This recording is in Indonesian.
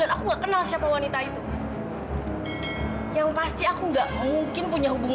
lagi lagi yang mau nikah waktu itu